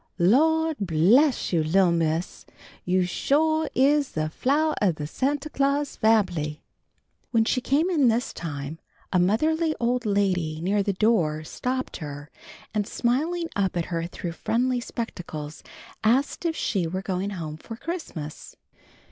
"Lawd bless you, li'l' Miss, you sho' is the flowah of the Santa Claus fambly!" When she came in this time, a motherly old lady near the door stopped her, and smiling up at her through friendly spectacles, asked if she were going home for Christmas.